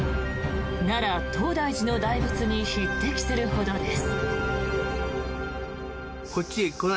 奈良・東大寺の大仏に匹敵するほどです。